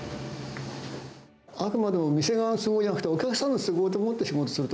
あくまでも店側の都合じゃなくて、お客さんの都合でもって仕事をすると。